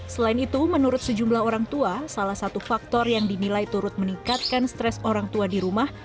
selain itu menurut sejumlah orang tua salah satu faktor yang dinilai turut meningkatkan stres orang tua di rumah